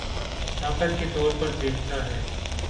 طاقت کے طور پر دیکھتا ہے